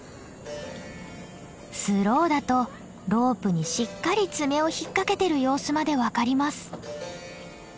スローだとロープにしっかり爪を引っ掛けてる様子まで分かります。